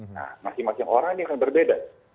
nah masing masing orang ini akan berbeda